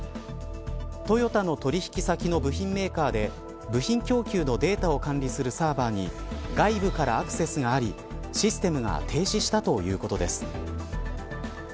トヨタの取引先の部品メーカーで部品供給のデータを管理するサーバーに外部からアクセスがありシステムが停止したということです。